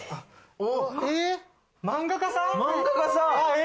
漫画家さん？